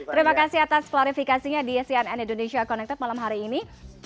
terima kasih atas klarifikasinya di cnn indonesia connected malam hari ini